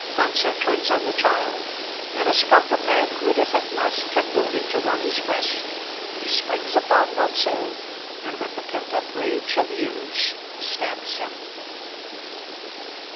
Wanzer turns on the child, and a spark of manhood is at last kindled in Giovanni's breast. He springs upon Wanzer, and with the pent up rage of years stabs him.